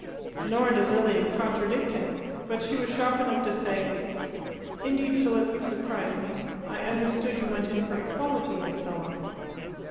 Nor did Lilia contradict him. But she was sharp enough to say, "Indeed, Philip, you surprise me. I understood you went in for equality and so on."